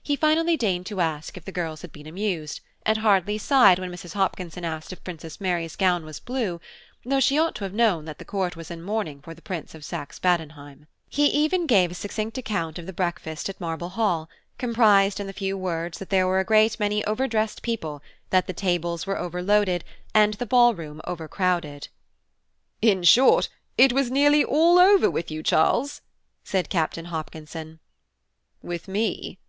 He finally deigned to ask if the girls had been amused, and hardly sighed when Mrs. Hopkinson asked if Princess Mary's gown was blue, though she ought to have known that the court was in mourning for the Prince of Saxe Badenheim. He even gave a succinct account of the breakfast at Marble Hall, comprised in the few words that there were a great many over dressed people, that the tables were over loaded, and the ball room over crowded. "In short, it was nearly all 'over' with you, Charles," said Captain Hopkinson. "With me?"